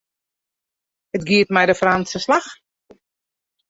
It giet mei de Frânske slach.